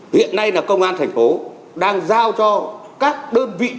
hiện nay là công an thành phố đang giao cho các đơn vị chức năng